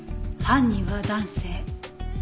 犯人は男性。